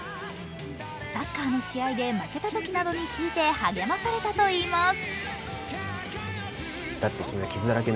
サッカーの試合で負けたときなどに聴いて励まされたといいます。